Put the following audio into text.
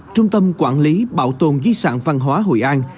trung tâm quản lý bảo tồn di sản văn hóa hội an